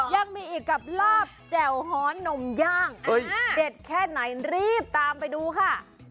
ยังมีอีกกับลาบแจ่วฮอนนมย่างเด็ดแค่ไหนรีบตามไปดูค่ะ